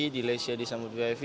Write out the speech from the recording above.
di lechia disambut vip